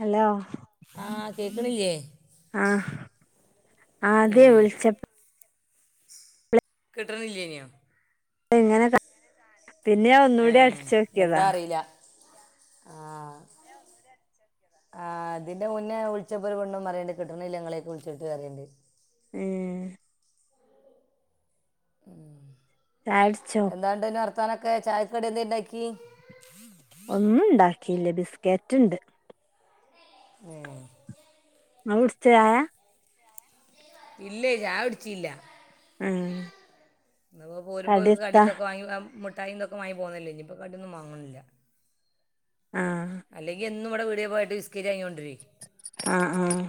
Hello? ആ കേക്കണില്ലേ ആഹ് ഏ, ആകെ വിളിച്ച കിട്ടണില്ലേന്യോ? ഇങ്ങനെ പിന്നെ ഞാൻ ഒന്നൂടി അടിച്ചോക്കിയതാ. ആഹ് ആഹ് ഇതിന്റെ മുന്നേ വിളിച്ചപ്പൊ ഒരുപ്പെണ്ണും പറയ്ണ്ട് കിട്ട്ണില്ല ഇങ്ങളേയ്ക്ക് വിളിച്ചിട്ട് പറയ്ണ്ട് ഏഹ് ഉം ചായ കുടിച്ചോ എന്താണ്ടിന്നെ വർത്താനൊക്കെ ചായക്ക് ക്കടി എന്തെ ഇണ്ടാക്കി ഒന്നും ഉണ്ടാക്കിയില്ല ബിസ്കറ്റ്ണ്ട് ഏഹ് ഇങ്ങള് കുടിച്ചോ ചായ ഇല്ലേയ് ചായ കുടിച്ചീല്ല ഉം ഇനിപ്പൊ പോരുമ്പൊ ഒരു കടിയെത്താ കടീന്തൊക്കെ വാങ്ങി മുട്ടായി ഇദെക്കെ വാങ്ങി പോന്നില്ലേ ഇനീപ്പൊ കടീ ഒന്നും വാങ്ങണില്ല ആഹ് അല്ലെങ്കി എന്നും ഇവടെ പീടില് പോയിട്ട് ബിസ്കറ്റ് വാങ്ങി കൊണ്ട് വരും ആഹ് ആഹ്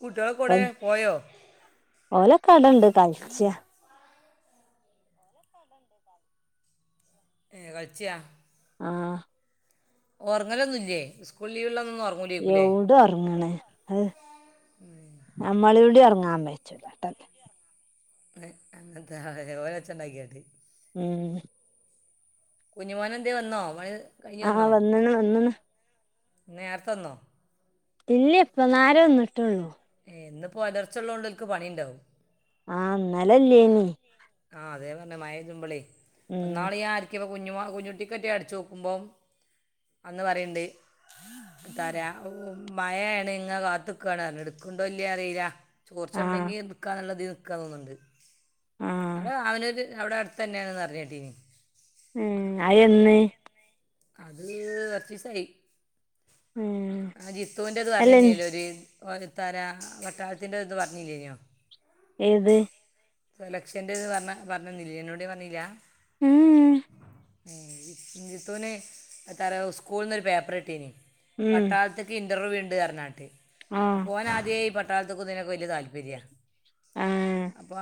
കുട്ട്യോളൊക്കോ എവിടെ പോയോ ഓലൊക്ക അവിടെയുണ്ട് കളിച്ച ഏഹ് കളിച്ച്യ ആഹ് ഒറങ്ങലൊന്നൂല്ല്യേ ഇസ്കൂള് ലീവ് ഉള്ളാ അന്നും ഒറങ്ങൂ യൗ ഡ ഒറങ്ങണ് അഹ് നമ്മളൂടെ ഒറങ്ങാൻ സമ്മയ്ച്ചൂല്ല ഏഹ് അങ്ങ്നത്തെ ഓര് ഒച്ചൊണ്ടാക്കി മതി ഉം കുഞ്ഞിമോനെ എന്തെ വന്നോ പണി കഴിഞ്ഞ് ആ വന്ന്ണ് വന്ന്ണ് നേരെത്തെ വന്നോ ഉല്ല്യ ഇപ്പന്നാരെ വന്ന്ട്ട് ഒള്ളു ഇന്ന് ഒപ്പോലർച്ച ഉള്ളോണ്ടോൽ ഒൽക്ക്‌ പണിണ്ടാവും ആഹ് ഇന്നലെ ഇല്ലെയ്നി ആഹ് അതേ പറഞ്ഞെ മയ പെജ്ജുമ്പളെയ് പ്പൊ ഉം ഇന്നാള് ഞാ ഞ് പൊ കുഞ്ഞുമൊ കുഞ്ഞുടിക്കെറ്റെ അട്ചോക്കുമ്പോ അന്ന് പറിം ഇണ്ട് തരാ മഴയേണ് ഇങ്ങെനെ കാത്തക്കാണ് എട്ക്കണ്ടോ ഇല്ല്യെ അറീല ആഹ് ചോർചെണ്ടെങ്കി എടക്കാന്ന്ള്ളതീല് നിക്ക തോന്ന്ണ്ട് ആഹ് അവിടെ കാവനൂര് അവ്ടെ അട്തെന്നെന്ന് പർഞ്ഞേട്ടീനി ഏഹ് അയ് എന്ന് അത് കൊർചീസായി ഏഹ് ജിത്തുന്റെ ഇത് പറഞ്ഞില്ലേയ്ന്നേ ജി ഒരു തരാ പട്ടാളത്തിന്റെ ഇത് പറഞ്ഞില്ലേയ് നേ ഏത് സെലക്ഷ്യൻ്ന്റെത് പർഞ പറഞ്ഞന്ന്ല്ല്യെന്നോട് പർഞീല്ല്യ ഏഹ് ജിത്തുന് എത്താ പറിയാ സ്കൂള്ന്നൊര് പേപ്പറിട്ടീനി ഉം പട്ടാളത്ത്ക്ക് ഇൻറർവ്യൂ ഉണ്ട് പർഞാട്ട് ആഹ് ഓനാദ്യേ ഈ പട്ടാളത്കും ഇതിനൊക്കെ വല്യ താൽപ താല്പര്യ ആഹ് അപ്പെ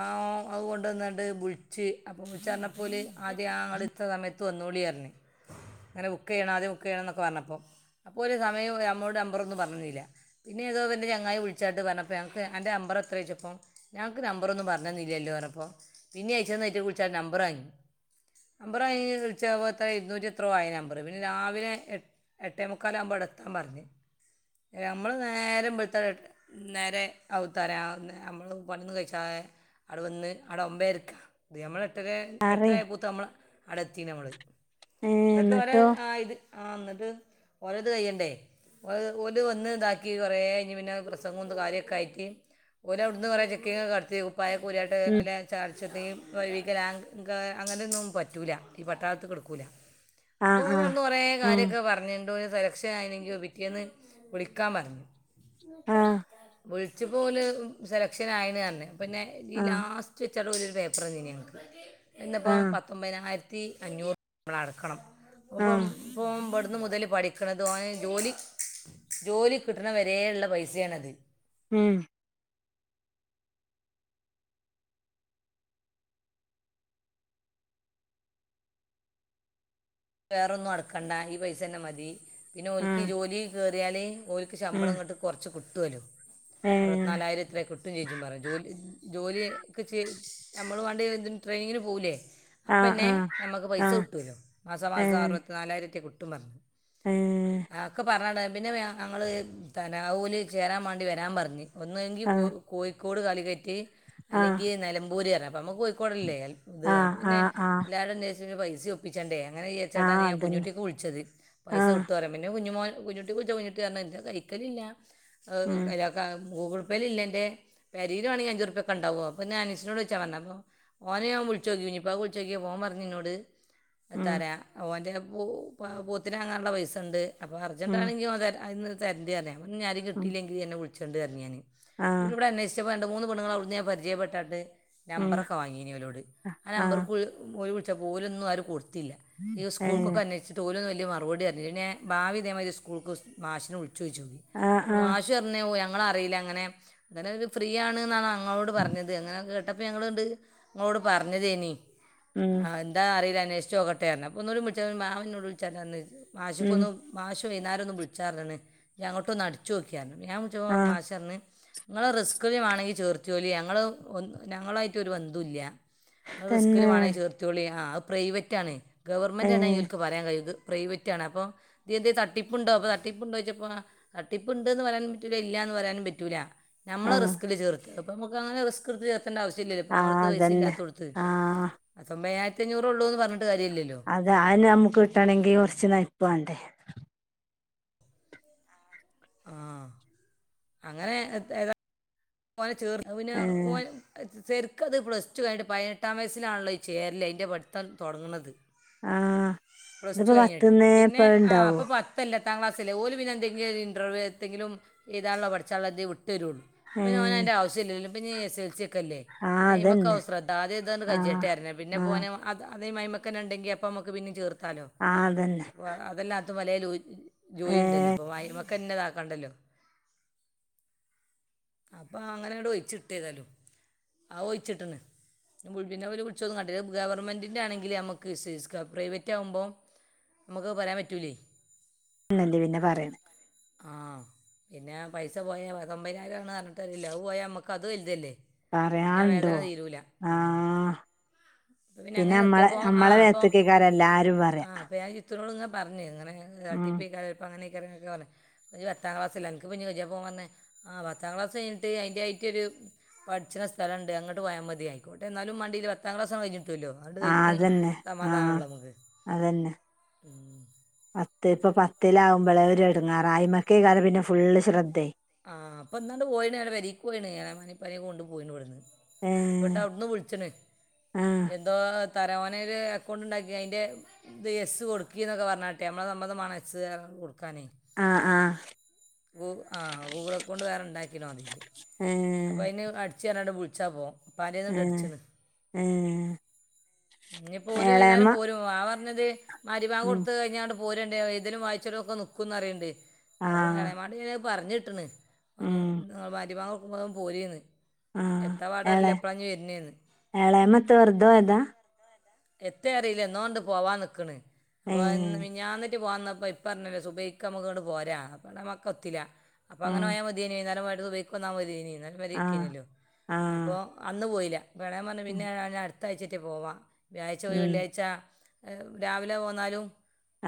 അത് കൊണ്ടന്നാണ്ട് ബുള്ച്ച് അപ്പൊ വിളിച്ച് പർഞപ്പോ ഓല് ആദ്യ ആ ഇങ്ങട് ഇത്ര സമയ ന്നൊളി പർഞ് ഇങ്ങനെ ബുക്കെയ്യണം ആദ്യം ബുക്കെയ്യണം എന്നൊക്കെ പർഞപ്പോ സമയം ഞമ്മോട് നമ്പറൊന്നും പർഞന്നീല്ല പിന്നേ ഏതോ ഇവന്റെ ചെങ്ങായി വിളിച്ചാട്ട് പറഞ്ഞപ്പ അന്റെ നമ്പർ എത്രയ ചോയ്ച്ചപ്പം ഞങ്ങക്ക് നമ്പറൊന്നും പർഞ്ഞെന്നീല്ല്യല്ലോ പർഞ്ഞപ്പോ പിന്നിം അയച്ചെന്ന് ഐറ്റങ്ങൾക്ക് വിളിച്ചാണ്ട് നമ്പറാങ്ങി നമ്പർ അയ് വിളിച്ച പോത്തെ ഇരുന്നൂറ്റി എത്രോ ആയിണ് നമ്പറ് പിന്നെ രാവിലെ എട്ട് എട്ടേ മുക്കാലാഉമ്പോ അടെത്താൻ പർഞ് നമ്മള് നേരം ബെൾത്ത നേരെ ഔ തരാന്ന് മ്മള് വന്നു കയ്ചാ അടെ വെന്ന് അടെ ഒമ്പേര്ക്ക അത് നമ്മള് എട്ടരേ പറയ് എട്ടരായ പോത്തമ്മള് അടെത്തി നമ്മള് ഏഹ് ന്നിട്ട് ഓരെ എന്നിട്ടോ ആഹ് ഇത് ആഹ് ന്നിട്ട് ഓരെ ത് കയ്യണ്ടേ ഓര് വന്ന് താക്കി കൊറേ ഴിഞ്ഞി പിന്നെ പ്രസംഗും കാര്യക്കായിട്ട് ഓലഔട്ന്ന് കൊറേ ചെക്കിങൊക്കട്തി ഉം കുപ്പായൊക്കൂര്യാണ്ട്ഒല്ലേ ചർച്ചത്തി വഴിവികലാങ്ക അങ്ങന്യോന്നും പറ്റൂല ഈ പട്ടാൾത്ത് ക്ക്‌ട്ക്കൂല ആഹ് ആഹ് അപ്പോലട്ന്ന് കൊറേ ഉം കാര്യൊക്കെ പർഞ്ഞി ന്തോര് സെലക്ഷനായീന് പിറ്റേന്ന് വിളിക്കാന്പർഞ് ആഹ് വിൾ ച്ചപോല് സെലക്ഷനായീണർഞ് പിന്നെ ഈ ആഹ് ലാസ് ചാണ്ട് ഒര്പേപ്റെന്നീനി ഞങ്ങക്ക് ന്തപ്പോ ആഹ് പ പത്തൊമ്പതിനായിര്ത്തി അഞ്ഞൂറ് മ്മളട്ക്കണം അപ്പം ആഹ് പ്പം ബട്ന്ന് മുതല് പഠിക്കണത് ഓന് ജോലി ജോലി കിട്ടണ വരേള്ള പൈസേണത് മ് വേറൊന്നും അടക്കണ്ട ഈ പൈസന്നെ മതി പിന്നോൽക്ക് ആഹ് ജോലി കേര്യാല് ഓൽക്ക് ഉം ശമ്പളങ്ങട്ട് കൊർച്ച് കിട്ടോലൊ അറുവ ഏഹ് നാലായിരം ത്രേ കിട്ടും ചെജ്ജും പറ ജോലി ജോലിയ ക് ചെ നമ്മളും ആൻഡ് ട്രെയിനിങ്ങന് പോവുല്ലേ ആഹ് അപ്പന്നെ ആഹ് നമുക്ക് പൈസ ആഹ് കിട്ടോലോ മാസമാസം ഏഹ് അറുപത്തി നാലായിരറ്റെ കിട്ടും പറഞ്ഞ് ഏഹ് ആ ഒക്കെ പറഞ്ഞാണ്ട് പിന്നെ ഞങ്ങള് തനാവൂല് ചേരാൻ മാണ്ടി വരാൻ പറഞ്ഞ് ഒന്നെങ്കി പോ ആഹ് കോഴിക്കോട് കാലിക്കറ്റ് അല്ലെങ്കി നിലമ്പൂര് പറഞ്ഞ് അപ്പോ നമ്മുക്ക് കോഴിക്കോട് അല്ലേ ത് ആഹ് അപ്പൊ ആഹ് പിന്നെ ആഹ് ആഹ് എല്ലരും അന്വേ പൈസ ഒപ്പിച്ചേണ്ടേ അങ്ങനെ ആഹ് വിചാരിച്ചിട്ടാണ് ഞാൻ അതന്നെ കുഞ്ഞുട്ടിക്ക് വിളിച്ചത് പൈസ ആഹ് കിട്ടോ അറിയാ പിന്നെ കുഞ്ഞുമോൻ കുഞ്ഞുട്ടിക്ക് വിളിച്ചപ്പോ കുഞ്ഞുട്ടി പറഞ്ഞ് ഇൻ്റെ കഴിക്കൽ ഇല്ല അത് ഉം കല ഗൂഗിൾ പേയിൽ ഇല്ല ന്റെ പെരീല് വണെങ്കി അഞ്ചുർ പിയൊക്കെണ്ടാകും അത് പിന്നെ അനസ്നോട് ചോയ്ച്ചാൻ പറഞ്ഞ് അപ്പൊ ഓന് ഞാൻ വിളിച്ചോക്കി കുഞ്ഞിപ്പാക്ക് വിളിച്ചോക്കയപ്പോ ഓന് പറഞ്ഞ് ഇന്നോട് ഉം എത്താറിയ ഓൻ്റെ പൂ പൊത്തിന് വങ്ങാനുള്ള പൈസണ്ട് അപ്പോ അർജന്റ് ഉം ആണെങ്കിൽ ഓന് തരാ അയ് തരണ്ട് അറഞ്ഞ് അപ്പൊപിന്നെ ആറിം ഉം കിട്ടില്ലെങ്കി അന്നെ വിളിച്ചണ്ട് അറഞ്ഞ് ഞാന് ആഹ് പിന്നെ ഇവിടെ അന്വേ ചപ്പോ രണ്ട് മൂന്ന് പെണ്ണുങ്ങളെ അവ്ടുന്ന് ഞാൻ പരിചയപ്പെട്ടാട്ട് ഉം നമ്പറൊക്കെ വാങ്ങിയീനി ഓലോട് ആ ആഹ് നമ്പർക്ക് ഓല് വിളിചപ്പോ ഓല് ഒന്നും ആരും കൊടുത്തില്ല ഈ ഏഹ് സ്കൂൾക്കൊക്കെ അന്വേഷിച്ചി ഓലൊന്നും വലിയ മറുപടി തരുന്നില്ല പിന്നെ ബാവ ഇതേമാതിരി സ്കൂൾക്ക് മാഷിനെ വിളിച്ചു ആഹ് ചോദിച്ചുഅപ്പൊ മാ ആഹ് ച് അറഞ്ഞ ഞങ്ങൾ അറിയില്ല അങ്ങനെ അങ്ങനെ ഒരു ഫ്രീ ആണ് എന്നാണ് ഞങ്ങളോട് പറഞ്ഞത് അങ്ങനൊക്കെ കേട്ടപ്പ ഞങ്ങളാണ്ട് നിങ്ങളോട് പറഞ്ഞതേനി ഉം എന്താ അറിയില്ല അന്വേഷ ച്ചോക്കട്ടേഞ് അപ്പെ ഒന്നൂടെ വിളിച്ചാ മാമൻ ഇനോട് വിളിച്ചുപറഞ്ഞ് അന്ന് ഉം മാശിക്കൊന്ന് മാഷ് വൈന്നാരം ഒന്ന് വിളിച്ചാ പറഞ്ഞണ് ഇഞ് അങ്ങോട്ട് ഒന്ന് അടിച്ചു നോക്കിയാന്ന് ഞാൻ വിളിച്ചപ്പോ ആഹ് മാഷ് പറഞ്ഞ് ഇങ്ങളെ റിസ്കിൽ വേണെങ്കിൽ ചേർത്തോലി ഞങ്ങൾ ഞങ്ങളായിട്ട് ഒരു ബന്ധും ഇല്ല ഇങ്ങളെ റിസ്കില് തന്നെ വണെങ്കിൽ ചേർത്തോളി ആ അത് പ്രൈവറ്റ് ആണ് ഗവൺമെൻ്റ് ആണെങ്കിൽ ഏഹ് ഓൽക്ക് പറയാൻ കഴിയും ഇത് പ്രൈവറ്റാണപ്പൊ ഇ എന്ത് തട്ടിപ്പുണ്ടോ പ്പൊ തട്ടിപ്പ്ണ്ടോയ്ചപ്പോ തട്ടിപ്പ്ണ്ട് ന്ന് പര്യാനും പറ്റൂല ഇല്യാന്ന് പര്യാനും പറ്റൂല നമ്മള ആഹ് റിസ്ക്ല് ചേർതി അപ്പ നമകങ്ങന റിസ്ക്ട്തി എത്തേണ്ട ആവശ്യമില്ലല്ലോ ഇപ്പം ആ നമ്മുടെ അടുത്ത് പൈസ അതന്നെ ഇല്ലാത്തോടത്ത് ആ പതൊമ്പപതിനായിരത്തി അഞ്ഞൂറ് ഉള്ളൂ എന്ന് പറഞ്ഞിട്ട് കാര്യല്ലല്ലോ അതെ അതെന്നെ നമ്മുക്ക് കിട്ടണെങ്കി കുറച്ച് നയ്പ്പ് വാണ്ടേ ആഹ് അങ്ങനെ ഏതാ ഓന് ചേർന്ന് അത് പിന്നെ ഏ ഓ ശരിക്ക അത് പ്ലസ് ടു കഴിഞ്ഞിട്ട് പതിനെട്ടാം വയസ്സിലാണല്ലോ ചേരല് അതിൻ്റെ പഠിത്തം തുടങ്ങുന്നത് ആ പ്ലസ്ടു ഇതിപ്പോ കഴിഞ്ഞിട്ട് പത്ത്ന്ന് പിന്നെ ഇപ്പ ആ ഇണ്ടാവോ അപ്പൊ പ ഇപ്പ എല്ലത്താം ക്ലാസ്സലേ ഓല് പിന്നെന്തെങ്കിലും ഇന്റർവ്യു ഏതെങ്കിലും എഴുതാനുള്ള പഠിച്ചാനുള്ള എന്തെലും വിട്ടരുള്ളൂ ഏ ഇപ്പൊ ഓൻ അയ്ൻ്റെ ആവശ്യല്ലല്ലേ ഇപ്പ പിന്നെ എസ് എൽ സി ഒക്കെയല്ലേ ആ പിന്നെ അയ്മക്ക് അതന്നെ ആവും ശ്രദ്ധ ആദ്യം ഇതാണ്ട് ആ കഴിയട്ടെ ആ പിന്നെപ്പൊ ഓന് അത് അതേ മൈമക്കണ്ടെങ്കിൽ അപ്പം നമുക്ക് പിന്നെ ചേർത്താലോ ആ അതന്നെ അതല്ലാത്ത പലേലു ഏ ജോലിണ്ടല്ലോ ഇപ്പോ അയ്മക്കന്നെ ഇതാക്കണ്ടല്ലോ അപ്പൊ അങ്ങനെ ആണ്ട് ഒഴിച്ചിട്ടേതായാലും ആ ഒഴിച്ചിട്ടണ് പിന്നെ അവര് വിളിച്ചതും കണ്ടില്ല ഗവൺമെൻ്റിൻ്റെ ആണെങ്കിൽ നമുക്ക് വിശ്വസിക്കാം പ്രൈവറ്റ് ആവുമ്പോ നമുക്ക് പറയാൻ പറ്റൂലേ ഇന്നല്ലേ പിന്നെ പറയണേ ആഹ് പിന്നെ പൈസ പോയാ പത്തൊമ്പതിനായിരം ആണ് പറഞ്ഞിട്ട് കാര്യല്ല അതുപോയ നമ്മക്ക് ക്കത് വലുതല്ലേ പിന്നെ ആ പറയാണ്ടോ വേദന തീരൂല ഉം. ആഹ് അപ്പോൾ പിന്നെ അങ്ങനെ നമ്മളെ നിർത്തിയപ്പോൾ ആ നമ്മളെ മേത്ത്കേക്കാരം എല്ലാരും പറയാ ഇവനോട് ഇങ്ങനെ പറഞ്ഞ് ഇങ്ങനെ ഉം താടിപ്പീക്കാരം അങ്ങനെക്കാരം ഒക്കെ പറഞ്ഞ് ഇയ്യ് പത്താം ക്ലാസ്ല് അല്ലേ അനക്ക് ഇപ്പോ ഇനി കഴിയൂല അപ്പൊ ഓന് പറഞ്ഞ് ആ പത്താം ക്ലാസ്സ് കഴിഞ്ഞിട്ട് അയിന്റായിട്ടൊരു പഠിച്ചണ സ്ഥലണ്ട് അങ്ങോട്ട് പോയാൽ മതി അയിക്കോട്ട എന്നാലും മാണ്ടില്ല പത്താം ക്ലാസ് ആണ്ട് കഴിഞ്ഞ് കിട്ടുല്ലോ ആണ്ട് ആ കഴിഞ്ഞ് അതന്നെ ആ സമാധാനളളതാണ് അതന്നെ ഉം പത്ത് ഇപ്പം പത്തിലാവുമ്പോളേ ഒര് എടുങ്ങേറാ അയിമക്കെക്കാരം പിന്നെ ഫുള്ള് ശ്രദ്ധേ ആ ഇപ്പം ഇന്നാണ്ട് പോയിന്ന് അവന്റെ പേരേക്ക് പോയിന്ന് എളാമാനെ ഇപ്പാനെ കൊണ്ട് പോയിന്ന് ഇവിടന്ന് ഏ [unintelligible] അവിടന്ന് വിളിച്ചണ് ആ എന്തോ തര ഓന് ഒരു അക്കൗണ്ട് ഉണ്ടാക്കി അയ്ൻ്റെ ഇത് എസ് കൊടുക്കി എന്നൊക്കെ പറഞ്ഞാട്ട് നമ്മളെ സമ്മതം മാണം എസ് കൊടുക്കാനേ ആഹ് ആഹ് ഗൂ ആ ഗൂഗിൾ അക്കൗണ്ട് വേറെ ഇണ്ടാക്കിടാതി അപ്പോ ഏ അതിന് അടച്ച് തരാനായിട്ട് വിളിച്ചാൽ പോകും പനിയായോണ്ട ഏഹ് അടിച്ചത് ഏഹ് ഇനി ഇപ്പ ഓല് വൈന്നേരം എളേമ്മ പോരും ഓഹ് ആ പറഞ്ഞത് മകരിബങ്ക് ഉം കൊടുത്ത് കഴിഞ്ഞാടെ പോരണ്ട് ഏതിലും വായിച്ചലും ഒക്കെ നിക്കുംന്ന് പറയണ്ട് ആഹ് എളയമാട്ത് പറഞ്ഞിട്ടണ് അ ഉം നിങ്ങൾ [unintelligible] കൊടുക്കുമ്പോ പോര്ന്ന് ആഹ് എള ഏളെമന്താ വെർതെ പൊയതാ എത്തയ അറിയില്ല എന്നൊണ്ട് പോവാൻ നിക്കണ് അപ്പോ ഏഹ് മിനിഞ്ഞാന്നിട്ട് പോവാൻന്നപ്പ ഇ പറഞ്ഞൊലെ സുബൈക്ക് മ്മക്ക്ങ്ങട് പോരാ അപ്പ നമക്ക് ഒത്തില്ല അപ്പൊ ഉം അങ്ങനെ പോയാ മതി വൈനെരം പൊയിട്ട് സുബൈയക്ക്ന്നാൽ മതിന [unintelligible] ആഹ് ഇക്കീനില്ലോ ആഹ് അപ്പോ അന്ന് പോയില്ല ളയവൻ പറഞ്ഞ് ഉം പിന്നെ ഞാൻ അടുത്താഴ്ച്ചിട്ട് പോവാം വ്യാഴാച്ച പോയി ഉം വെള്ളിയാഴ്ച്ച രാവിലെ പോന്നാലും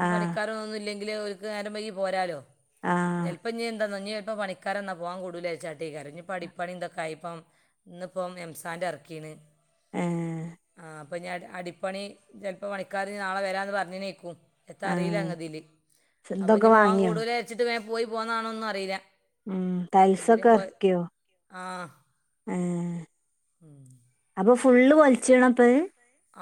ആഹ് പണിക്കാരൊന്നുല്ലെങ്കിൽ ഓര്ക്ക് നേരം വൈകി പോരാലോ ആഹ് ചെല്പ്പ ഇനി എന്താന്നൊ ഇനീപ്പ പണിക്കാര് വന്നാ പോവാൻ കൂടുലച്ചാട്ടിക്കാര് ഇനി പടിപ്പണി എന്തൊക്ക ആയ്പ്പം ഇന്നിപ്പോം എംസാന്റെ ഇറക്കീണ് ആഹ് ആ അപ്പം ഇനി അ അടിപ്പണി ചിലപ്പോൾ പണിക്കാർ നാളെ വരാന്ന് പറഞ്ഞിനിക്കും എത്താ അറിയില്ല ആഹ് ഗതീല് അപ്പൊ ഇതൊക്കെ ഇനി പോവാൻ വാങ്ങിയോ കൂടൂലേ വിചാരിച്ചിട്ട് പോയി പോന്നതാണോന്നും അറിയില്ല ഉം എന്തിനു തൈല്സൊക്കെ പോയ എറക്കിയൊ ആ ഏഹ് [inaudible] അപ്പൊ ഫുള്ള് കൊലിച്ച്യണ അപ്പത്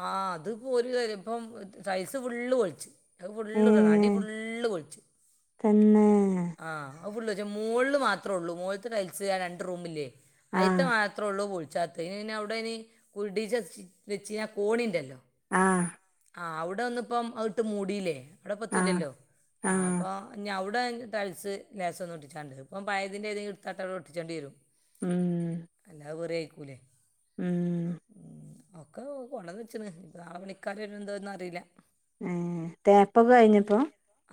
ആ അത്പ്പോരു കാര്യം ഇപ്പം ടൈല്സ്സ് ഫുള്ള് കുയ്ച്ച് അത് ഫുള്ള് [unintelligible] അടി ഏഹ് ഫുള്ള് കൊഴിച്ച് തന്നെ ആ ഫുള്ള് മൂളിൽ മാത്രേ ഉള്ളൂ മോൾതെ ടൈൽസ്സ് രണ്ട് റൂമില്ലേ അയ്ത്തെ ആഹ് മാ മാത്രേ ഉള്ളൂ പുളിച്ചാത്തെ ഇനി അവിടെ ഇനി കുടി ച വെച്ചിനാൽ കോണിണ്ടല്ലോ ആഹ് ആ അവിടെ ഒന്ന് ഇപ്പം അതിട്ട് മൂടില്ലേ അവിടെ പ്പ ആഹ് എത്തൂല്ലല്ലോ ആ ആഹ് അപ്പോ ഞ്ഞവടെ ടൈൽസ്സ് ലേശം ഒട്ടിച്ചാനണ്ട് ഇപ്പം പയതിൻ്റെ ഒരു എടുത്തട്ട് അവിടെ ഒട്ടിച്ചേണ്ടി വരും ഉം അല്ലാ വേറെ ആയിക്കൂലേ ഉം ഉം ഒക്കെ കൊണ്ടന്ന് വെച്ചിന് നാളെ പണിക്കാര് വരണ്ടൊന്ന് അറീല്ല ഉം തേപ്പൊക്കെ കഴിഞ്ഞപ്പോ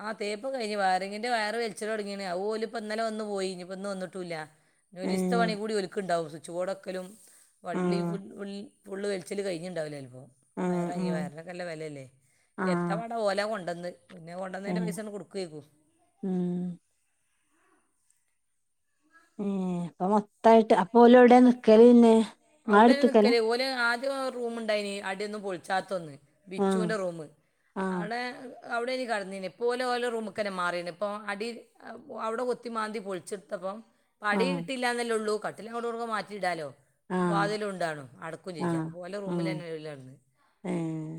ആ തേപ്പ് കഴിഞ്ഞു വായറിങ്ങിന്റെ വയറ വലിച്ചട തുടങ്ങിനെ ഓല് ഇപ്പോ ഇന്നലെ വന്നപോയി ഇനി ഇപ്പ ഇന്ന് വന്നിട്ടും ഇല്ല ഒരൂസ്ത ഏഹ് പണി കൂടി ഇവര്ക്ക് ഇണ്ടാവും സ്വിച്ച് ബോർഡ് വെക്കലും വളളി [unintelligible] ആഹ് ഫുള് വളിച്ചില് കഴിഞ്ഞുണ്ടാവില്ല ചലപ്പൊ ഉം വിറകിനൊക്കെ നല്ല വിലല്ലേ എത്ര ഓല കൊണ്ടന്നെ പിന്നെ കൊണ്ടുന്നന്റെ ഏഹ് പൈസ നമ കൊടുക്കയക്കു ഉം ഉം അപ്പൊ മൊത്തായിട്ട് അപ്പ ഓല് എവടെ നിക്കല് പിന്നെ ഇങ്ങളെ അവിടെന്നെ അടുത്ത്ക്കലാ നിക്കല് ഓല് ആദ്യം റൂമുണ്ടായിന് അടിയൊന്നും പൊളിച്ചാത്ത ഒന്ന് ആഹ് ബിച്ചുൻ്റെ റൂമ് ആഹ് ആടെ അവിടെ യാനി കിടന്നിനി ഇപ്പോ ഓല് ഓര്ടെ റൂമക്കെന്നെ മാറീനി ഇപ്പോ അടി അവിടെ കുത്തിമാന്തി പൊളിച്ചെടുത്തപ്പം അടി ആഹ് കിട്ടീല്ല എന്നല്ലേ ഉള്ളൂ കട്ടിലുംങ്ങോട്ടുങ്ങട്ടൊക്കെ മാറ്റിയിടാലോ ആഹ് വാതിലും ഉണ്ടാണും അടക്കും ചേചാ അപ്പോ ഓലെടെ റൂമിൽ തന്നെ ഉം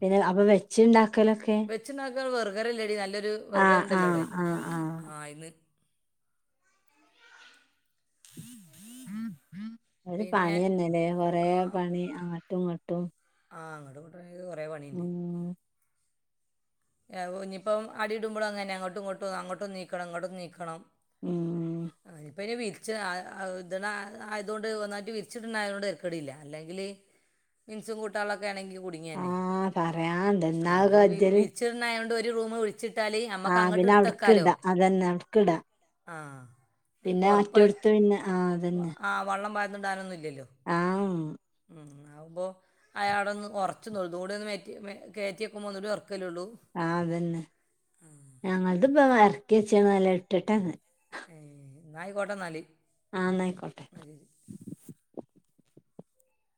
പിന്നെ അപ്പൊ വെച്ച് ഇണ്ടാക്കലൊക്കെ വച്ചണ്ടാകല് വർഗര ഇല്ലേടി നല്ലൊരു വെർഗർണ്ടല്ലോ ആഹ് അവിടെ ആഹ് ആഹ് ഇന്ന് [inaudible] ആഹ് ഒരു പിന്നെ പണി തന്നെല്ലേ കൊറെ ആ പണി അങ്ങോട്ടുയിങ്ങോട്ടും ആ അങ്ങോട്ട് ഇങ്ങട്ട് കുറെ പണിയുണ്ട് ഉം ഇനിയിപ്പം അടി ഇടുമ്പോഴ അങ്ങനെനെ അങ്ങോട്ടും ഇങ്ങട്ടും അങ്ങോട്ടും നീക്കണം ഇങ്ങോട്ടും നീക്കണം ഉം ആഹ് ഇവര് വിരിച്ച് അഹ് അഹ് ഇതണ ആയതോണ്ട് ഒന്നായിട്ട് വിരിച്ചിട് ണായൊണ്ട് തരക്കടില്ല അല്ലെങ്കില്. മിൻസും കൂട്ടളൊക്കെണെങ്കി കുടുങ്ങിയന്നെ ആഹ് പറയാണ്ട് ഇന്നാ അത് വിഹ് കജ്ജല് വിഹ്. ച്ചിറിണായോണ്ട് ഒരു റൂമ് ഒഴിച്ചിട്ടാല് അമ്മക്ക് ആഹ് അങ്ങട്ട് പിന്നെ ഇട്ത്തക്കാലോ. അവ്ട്ക്ക്ടാ അതന്നെ അവ്ട്ക്ക്ടാ ആഹ്. പിന്നെ മറ്റെടുത്ത് പിന്നെ ആഹ് വ- തന്നെ. ആ വെള്ളം പാർന്ന്ടാനൊന്നുല്ലല്ലോ. ആഹ് ഉം. ഉം ആവുമ്പോ അയാള ഒന്ന് ഉറച്ചന്നോള്ളത കൂടെ ഒന്ന്റ്റി കയറ്റിയക്കുമ്പോന്നൂടെ ഒറക്കും. കലുള്ളൂ. ആഹ് അതന്നെ ഞങ്ങത് ഇപ്പ എറക്കി വെച്ചാണ് നല്ല ഇട്ടിട്ടന്ന്. നായികോട്ട ന്നാല്. ആഹ് ന്നയിക്കോട്ടെ.